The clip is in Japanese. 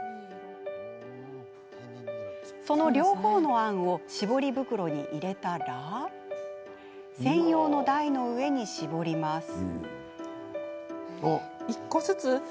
その両方のあんを絞り袋に入れたら専用の台の上に絞ります。